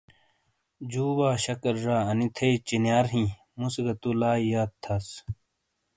جُو وا شکر زا، انی تھیٸی چِینیارہِیٸں۔ مُوسے گہ تُو لاٸی یاد تھاس۔